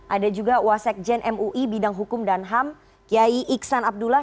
ada juga wasekjen mui bidang hukum dan ham kiai iksan abdullah